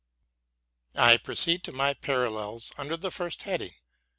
I proceed to my parallels under the first head ing.